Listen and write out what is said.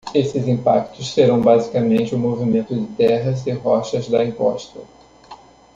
Esses impactos serão basicamente o movimento de terras e rochas da encosta.